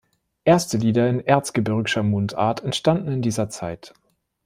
Erste Lieder in erzgebirgischer Mundart entstanden in dieser Zeit.